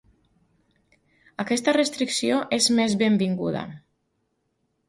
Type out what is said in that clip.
Aquesta restricció és més benvinguda.